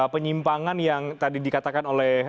penyimpangan yang tadi dikatakan oleh